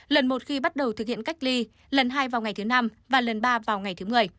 lần một khi bắt đầu thực hiện cách ly lần hai vào ngày thứ năm và lần ba vào ngày thứ một mươi